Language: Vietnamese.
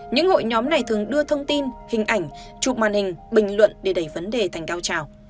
những hội nhóm này thường đưa thông tin hình ảnh chụp màn hình bình luận để đẩy vấn đề thành cao trào